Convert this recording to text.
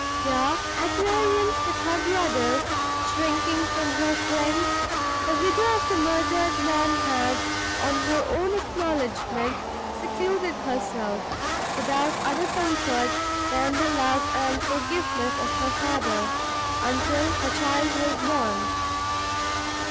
Here, at variance with her brothers, shrinking from her friends, the widow of the murdered man had, on her own acknowledgment, secluded herself, without other comfort than the love and forgiveness of her father, until her child was born.